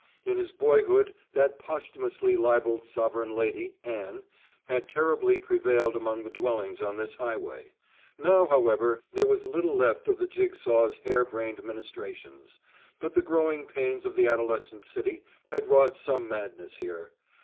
In his boyhood that posthumously libelled sovereign lady, Anne, had terribly prevailed among the dwellings on this highway; now, however, there was little left of the jig saw's hare brained ministrations; but the growing pains of the adolescent city had wrought some madness here.